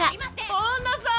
本田さん